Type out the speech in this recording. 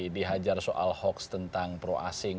dihajar soal hoax tentang pro asing